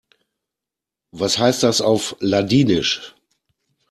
Was heißt das auf Ladinisch?